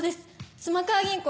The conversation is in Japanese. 妻川銀行